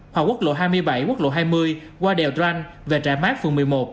hoặc quốc lộ hai mươi bảy quốc lộ hai mươi qua đèo ranh về trại mát phường một mươi một